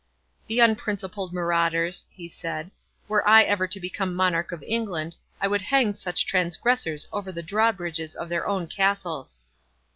"The unprincipled marauders," he said—"were I ever to become monarch of England, I would hang such transgressors over the drawbridges of their own castles."